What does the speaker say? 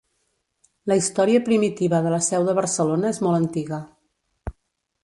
La història primitiva de la seu de Barcelona és molt antiga.